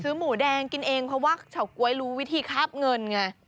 หมูแดงกินเองเพราะว่าเฉาก๊วยรู้วิธีคาบเงินไง